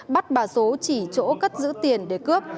bắt bà số chỉ chỗ cất giữ tiền để cướp